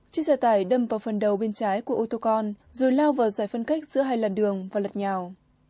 chiếc xe tải đâm vào phần đầu bên trái của ô tô con rồi lao vào giải phân cách giữa hai làn đường và lật nhào